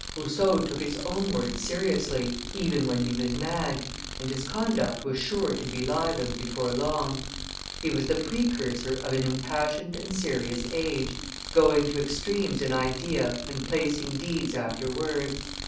Rousseau took his own words seriously, even when he was mad, and his conduct was sure to belie them before long. He was the precursor of an impassioned and serious age, going to extremes in idea and placing deeds after words.